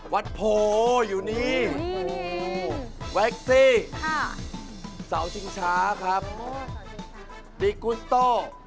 โพอยู่นี่แว็กซี่เสาชิงช้าครับดีกุสโต้